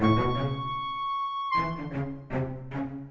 perang pun siap enam jam